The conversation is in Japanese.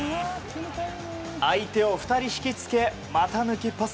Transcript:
相手を２人ひきつけ股抜きパス。